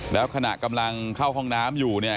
แล้วขณะกำลังเข้าห้องน้ำอยู่เนี่ย